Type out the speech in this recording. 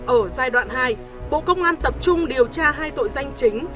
ở giai đoạn hai bộ công an tập trung điều tra hai tội danh chính